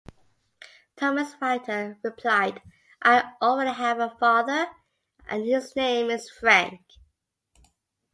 Thomas Rytter replied "I already have a father, and his name is Frank".